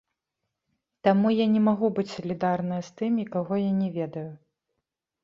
Таму я не магу быць салідарная з тымі, каго я не ведаю.